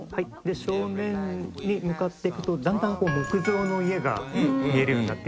「正面に向かって行くとだんだん木造の家が見えるようになってくる」